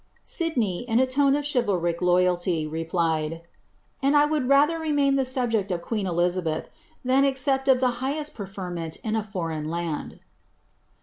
Sidney, in a lone of chivalric loyalty, replied, '' And I would rather remain the subject of queen Diia beih, than accept of the highest preferment in a foreign land."'